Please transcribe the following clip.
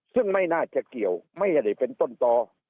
ซึ่งไม่น่าจะเกี่ยวไม่ได้เป็นต้นต่อ